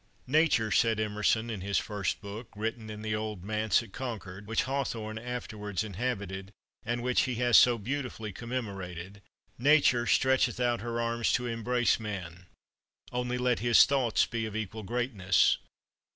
"Nature," said Emerson in his first book, written in the old Manse at Concord, which Hawthorne afterwards inhabited, and which he has so beautifully commemorated "Nature stretcheth out her arms to embrace man: only let his thoughts be of equal greatness.